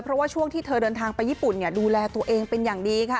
เพราะว่าช่วงที่เธอเดินทางไปญี่ปุ่นดูแลตัวเองเป็นอย่างดีค่ะ